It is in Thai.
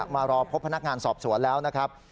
มารอพบพนักงานสอบสวนแล้วนะครับ